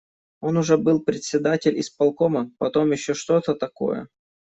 Он уже был председатель исполкома, потом ещё что-то такое.